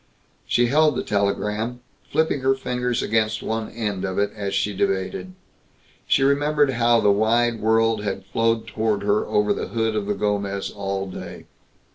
She held the telegram, flipping her fingers against one end of it as she debated. She remembered how the wide world had flowed toward her over the hood of the Gomez all day.